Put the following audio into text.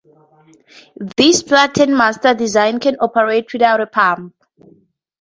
This "Platen-Munters" design can operate without a pump.